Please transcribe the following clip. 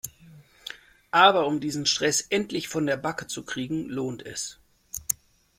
Aber um diesen Stress endlich von der Backe zu kriegen lohnt es.